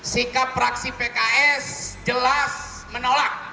sikap fraksi pks jelas menolak